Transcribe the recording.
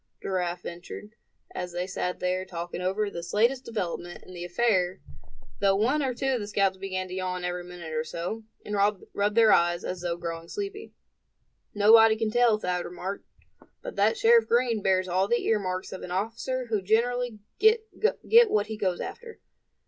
Giraffe ventured, as they sat there, talking over this latest development in the affair, though one or two of the scouts began to yawn every minute or so, and rub their eyes, as though growing sleepy. "Nobody can tell," Thad remarked; "but that Sheriff Green bears all the earmarks of an officer who generally get what he goes after."